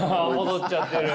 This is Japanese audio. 戻っちゃってる。